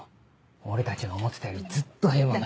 俺たちが思ってたよりずっと平凡だ。